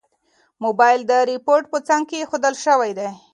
موبایل د ریموټ په څنګ کې ایښودل شوی دی.